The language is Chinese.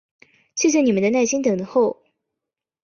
谢谢你们的耐心等候！